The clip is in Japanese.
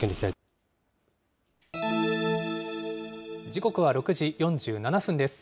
時刻は６時４７分です。